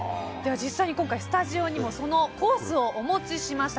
実際、スタジオにもそのコースをお持ちしました。